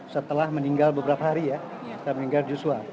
setelah meninggal beberapa hari ya setelah meninggal joshua